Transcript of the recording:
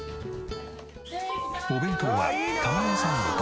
お弁当は。